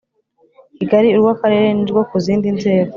Kigali urw akarere n urwo ku zindi nzego